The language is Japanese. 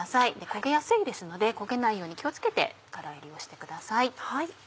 焦げやすいですので焦げないように気を付けて空炒りをしてください。